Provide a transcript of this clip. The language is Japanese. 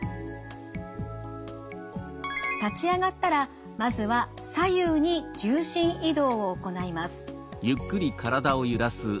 立ち上がったらまずは左右に重心移動を行います。